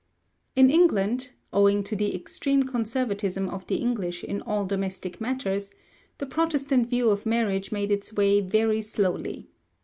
In England owing to the extreme conservatism of the English in all domestic matters the Protestant view of marriage made its way very slowly.